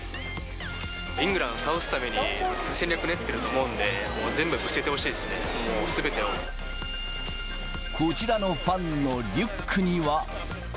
イングランドを倒すために、戦略を練ってると思うんで、全部ぶつけてほしいですね、こちらのファンのリュックには。